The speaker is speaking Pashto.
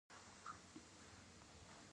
پاچا له خلکو نه لوړه ماليه اخلي .